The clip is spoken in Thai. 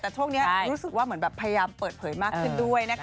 แต่ช่วงนี้รู้สึกว่าเหมือนแบบพยายามเปิดเผยมากขึ้นด้วยนะคะ